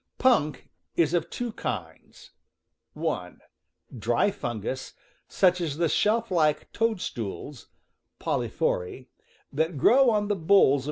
Punk is of two kinds: (1) dry fungus, such as the shelf like toadstools (polyphori) that grow on the boles ^.